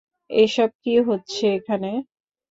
এসব কি হচ্ছে এখানে?